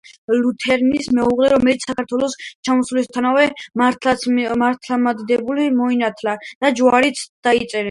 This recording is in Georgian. კალისტრატემ სამშობლოში ჩამოიყვანა ლუთერანი მეუღლე, რომელიც საქართველოში ჩამოსვლისთანავე მართლმადიდებლად მოინათლა და ჯვარიც დაიწერეს.